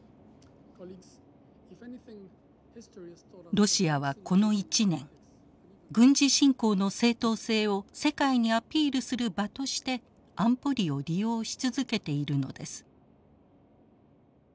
ロシアはこの１年軍事侵攻の正当性を世界にアピールする場として安保理を利用し続けているのです。